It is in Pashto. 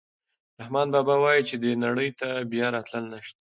رحمان بابا وايي چې دې نړۍ ته بیا راتلل نشته.